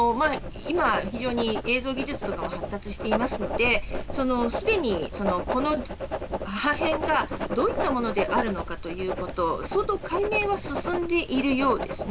今映像技術なども発達していますのですでに破片がどういっいったものであるかということを相当解明は進んでいるようです。